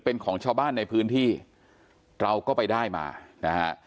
เป็นของชาวบ้านในพื้นที่เราก็ไปได้มานะฮะ